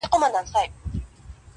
پاڼي زرغونې دي.